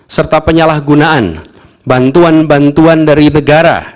serta penyalahgunaan bantuan bantuan dari negara